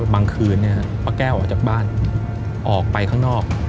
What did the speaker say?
บางคืนเนี่ยป้าแก้วออกจากบ้านออกไปข้างนอก